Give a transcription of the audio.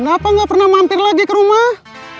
kenapa nggak pernah mampir lagi ke rumah